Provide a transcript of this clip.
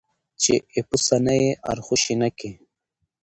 چې اېپوسه نه یې ارخوشي نه کي.